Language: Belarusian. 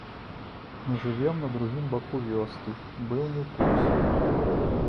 Мы жывём на другім баку вёскі, быў не ў курсе.